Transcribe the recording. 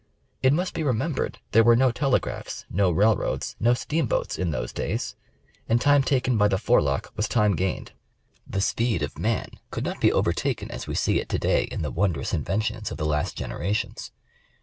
It must be remembered there were no tele graphs, no railroads, no steamboats, in those days, and time taken by the forelock was time gained. The speed of man could not be overtaken as we see it to day in the wondrous inventions of the last generations.